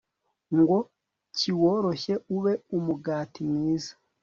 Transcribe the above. ngo kiworoshye ube umugati mwiza